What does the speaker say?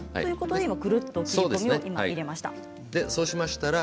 くるっと切れ込みを入れました。